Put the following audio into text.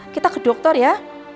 kita ke dokter ya